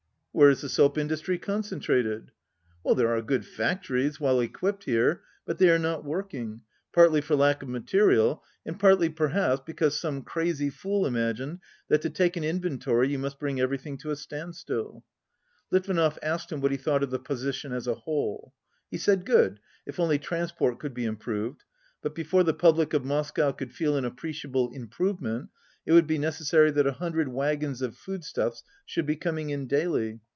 "Where is the soap industry concentrated'?" "There are good factories, well equipped, here, but they are not working, partly for lack of mate rial and partly, perhaps, because some crazy fool imagined that to take an inventory you must bring everything to a standstill." Litvinov asked him what he thought of the posi tion as a whole. He said good, if only transport could be improved ; but before the public of Mos cow could feel an appreciable improvement it would be necessary that a hundred wagons of foodstuffs should be coming in daily.